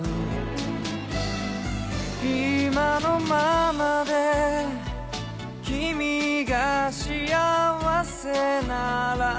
「今のままで君が幸せならば」